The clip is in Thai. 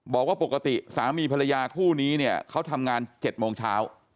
บอกว่าปกติสามีภรรยาคู่นี้เนี่ยเขาทำงาน๗โมงเช้า